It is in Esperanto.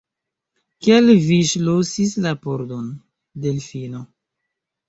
Kial vi ŝlosis la pordon, Delfino?